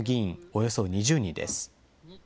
およそ２０人です。